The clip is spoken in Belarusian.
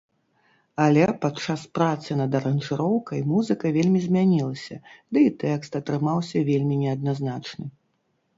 Але падчас працы над аранжыроўкай музыка вельмі змянілася, ды і тэкст атрымаўся вельмі неадназначны.